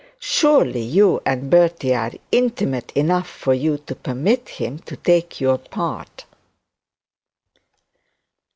Surely you and Bertie are intimate enough for you to permit him to take your part.'